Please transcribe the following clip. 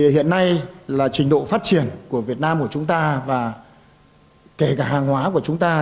hiện nay là trình độ phát triển của việt nam của chúng ta và kể cả hàng hóa của chúng ta